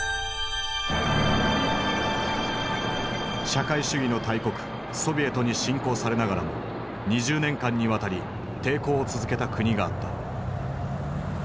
社会主義の大国ソビエトに侵攻されながらも２０年間にわたり抵抗を続けた国があった。